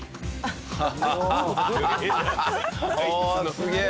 すげえ！